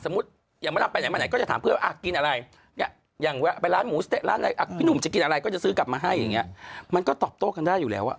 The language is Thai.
มาให้อย่างเงี้ยมันก็ตอบโต้กันได้อยู่แล้ว